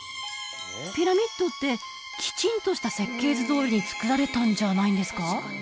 ピラミッドってきちんとした設計図どおりに造られたんじゃないんですか？